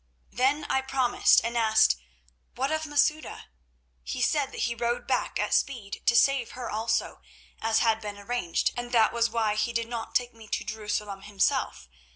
"Then I promised and asked, 'What of Masouda?' He said that he rode back at speed to save her also, as had been arranged, and that was why he did not take me to Jerusalem himself.